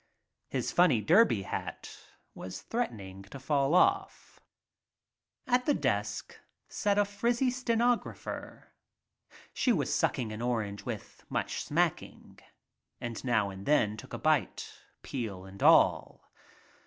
His funny derby hat was threatening to fall off. At the desk sat a frizzy stenographer. She was sucking an orange with much smacking and now and then took a bite, peel and all.